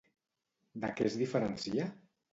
De què es diferencia?